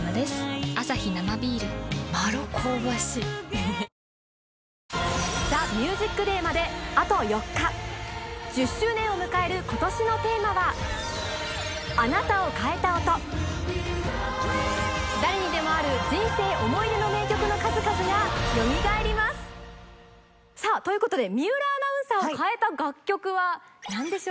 ニトリ『ＴＨＥＭＵＳＩＣＤＡＹ』まであと４日１０周年を迎える今年のテーマは誰にでもある人生思い出の名曲の数々がよみがえりますさぁということで水卜アナウンサーを変えた楽曲は何でしょうか？